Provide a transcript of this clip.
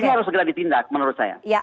ini harus segera ditindak menurut saya